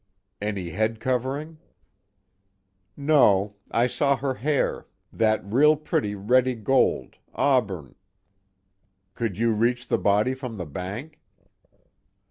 "Any head covering?" "No. I saw her hair, that real pretty reddy gold auburn " "Could you reach the body from the bank?"